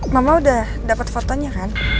mama udah dapat fotonya kan